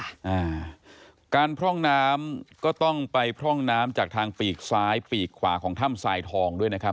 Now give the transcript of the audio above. อ่าการพร่องน้ำก็ต้องไปพร่องน้ำจากทางปีกซ้ายปีกขวาของถ้ำทรายทองด้วยนะครับ